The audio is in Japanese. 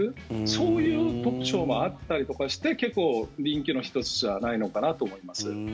そういう特徴もあったりとかして結構人気の１つじゃないのかなと思います。